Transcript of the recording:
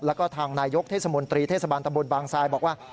แล้วก็ทางนายกเทศมนตรีเทศบาลตำบลบางทรายบอกว่า